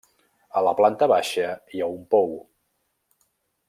A la planta baixa hi ha un pou.